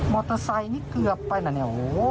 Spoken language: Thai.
มอเตอร์ไซค์นี้เกือบไปโห